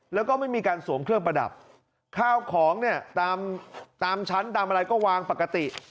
แล้วก็ไม่มีการสวมเครื่องประดับข้าวของเนี่ยตามตามชั้นตามอะไรก็วางปกติ